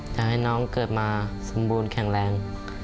อยากให้น้องเกิดมาสมบูรณ์แข็งแรง